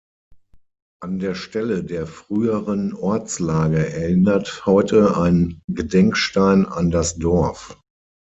An der Stelle der früheren Ortslage erinnert heute ein Gedenkstein an das Dorf.